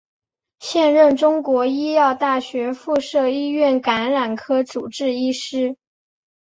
现任中国医药大学附设医院感染科主治医师。